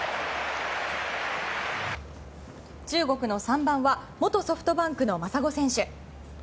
中国の３番は元ソフトバンクの真砂選手。